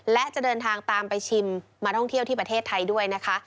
และจะเดินทางตามไปชิมมาท่องเที่ยวที่ประเทศไทยด้วยนะคะ